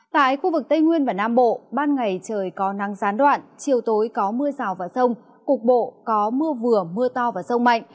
tại khu vực tây nguyên và nam bộ ban ngày trời có nắng gián đoạn chiều tối có mưa rào và rông cục bộ có mưa vừa mưa to và rông mạnh